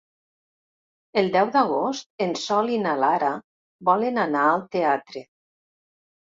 El deu d'agost en Sol i na Lara volen anar al teatre.